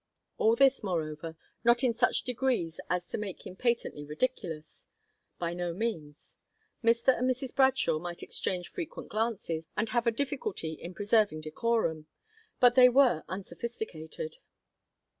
All this, moreover, not in such degrees as to make him patently ridiculous; by no means. Mr. and Mrs. Bradshaw might exchange frequent glances, and have a difficulty in preserving decorum; but they were unsophisticated.